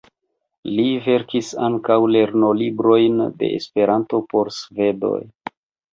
Li verkis ankaŭ lernolibrojn de Esperanto por svedoj.